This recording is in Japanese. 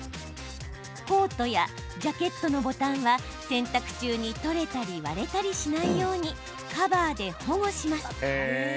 コートやジャケットのボタンは洗濯中に取れたり割れたりしないようにカバーで保護します。